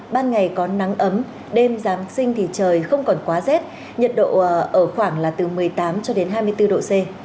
ban ngày có nắng ấm đêm giáng sinh thì trời không còn quá rét nhiệt độ ở khoảng là từ một mươi tám cho đến hai mươi bốn độ c